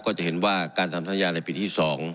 ก็จะเห็นว่าการทำสัญญาในปีที่๒